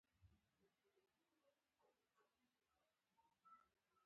له برټانیې څخه یې بیا بیا د مرستې غوښتنه کړې وه.